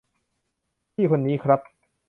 พี่คนนี้ครับ